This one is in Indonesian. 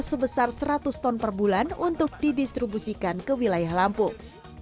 sebesar seratus ton per bulan untuk didistribusikan ke wilayah lampung